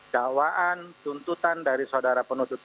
dakwaan tuntutan dari saudara penutup